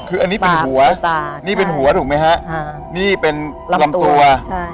คืออันนี้เป็นหัวตานี่เป็นหัวถูกไหมฮะนี่เป็นลำตัวใช่